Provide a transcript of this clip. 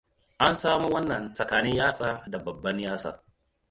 An samo wannan tsakanin yatsa da babban yatsa.